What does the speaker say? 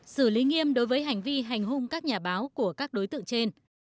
xử lý nghiêm đối với hành vi hành hung các nhà báo của các đối tượng trên